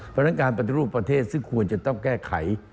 เพราะฉะนั้นการปฏิรูปประเทศซึ่งควรจะต้องแก้ไข